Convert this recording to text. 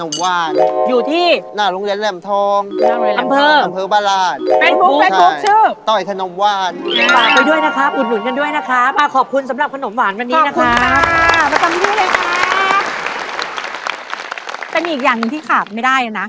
มีอีกอย่างที่คาบไม่ได้อ่ะนะ